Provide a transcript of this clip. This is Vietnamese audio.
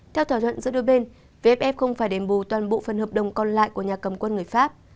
theo thỏa thuận giữa đôi bên vff không phải đền bù toàn bộ phần hợp đồng còn lại của nhà cầm quân người pháp